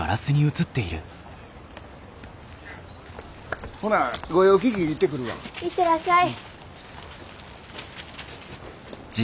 行ってらっしゃい。